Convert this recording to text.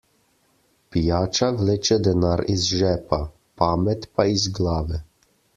Pijača vleče denar iz žepa, pamet pa iz glave.